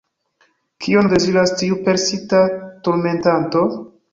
Kion deziras tiu persista turmentanto?